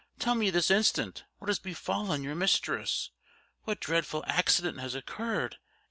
tell me this instant what has befallen your mistress! what dreadful accident has occurred?"